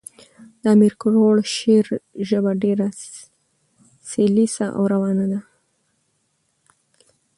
د امیر کروړ شعر ژبه ډېره سلیسه او روانه ده.